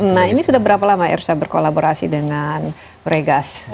nah ini sudah berapa lama irsa berkolaborasi dengan regas